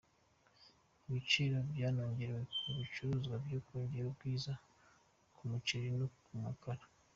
Ibiciro byanongerewe ku bicuruzwa byo kongera ubwiza, ku muceri no ku makara.